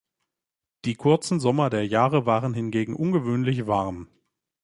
Die kurzen Sommer der Jahre waren hingegen ungewöhnlich warm.